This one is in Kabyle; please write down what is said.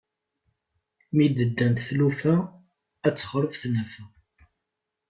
Mi d-ddant tlufa ad texreb tnafa.